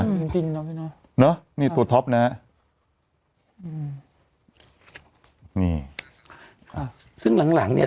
จริงจริงเนอะพี่เนอะเนอะนี่ตัวท็อปนะฮะอืมนี่ค่ะซึ่งหลังหลังเนี้ย